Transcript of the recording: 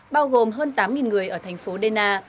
bao gồm hơn tám người ở thành phố dena